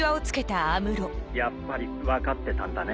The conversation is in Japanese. やっぱり分かってたんだね。